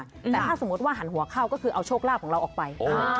แต่ถ้าสมมุติว่าหันหัวเข้าก็คือเอาโชคลาภของเราออกไป